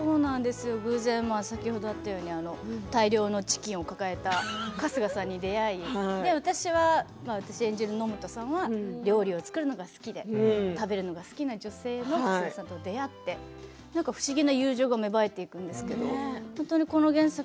先ほどあったように大量のチキンを抱えた春日さんに出会い私演じる野本さんは料理を作るのが好きで食べるのが好きな女性の春日さんと出会って不思議な友情が芽生えていくんですけれど本当に原作